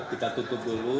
kita tutup dulu